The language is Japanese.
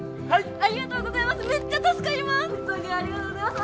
はい！